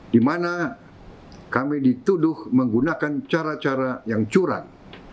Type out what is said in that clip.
di mana kami dituduh menggunakan cara cara yang curang